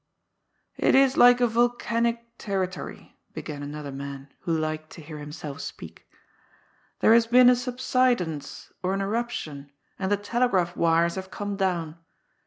^ It is like a volcanic territory," began another man, who liked to hear himself speak. "^ There has been a sub sidence, or an eruption, and the telegraph wires haye come down.